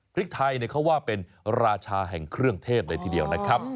พริกไทยเขาว่าเป็นราชาแห่งเครื่องเทศเลยทีเดียวนะครับ